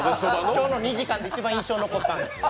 今日の２時間で一番印象に残った。